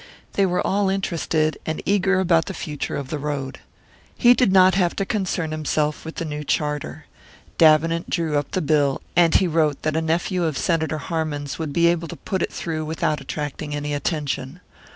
They were all interested, and eager about the future of the road. He did not have to concern himself with the new charter. Davenant drew up the bill, and he wrote that a nephew of Senator Harmon's would be able to put it through without attracting any attention.